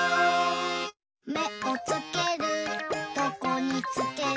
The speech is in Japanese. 「めをつけるどこにつける？」